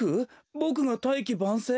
ボクが「大器晩成」？